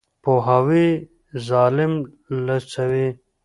پوهاوی ظالم لوڅوي.